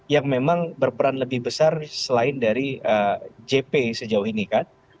yang memang berperan lebih besar selain dari jp sejauh ini kan